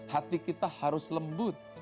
hati kita harus lembut